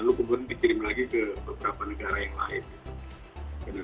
lalu kemudian dikirim lagi ke beberapa negara yang lain